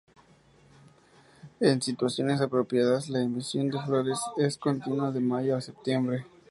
En situaciones apropiadas la emisión de flores es continua de mayo a septiembre.